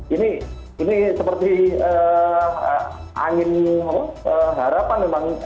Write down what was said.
ini seperti angin harapan memang